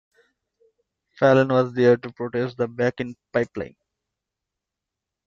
Fallon was there to protest the Bakken pipeline.